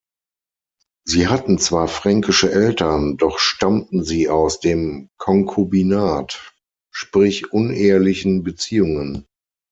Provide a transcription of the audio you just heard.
Sie hatten zwar fränkische Eltern, doch stammten sie aus dem Konkubinat, sprich unehelichen Beziehungen.